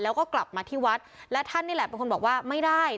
แล้วก็กลับมาที่วัดและท่านนี่แหละเป็นคนบอกว่าไม่ได้